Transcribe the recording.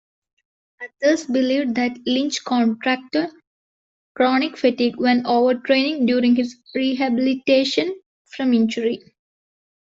Others believed that Lynch contracted chronic fatigue when overtraining during his rehabilitation from injury.